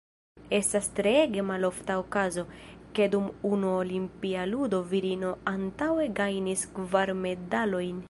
Estas treege malofta okazo, ke dum unu olimpia ludo virino antaŭe gajnis kvar medalojn.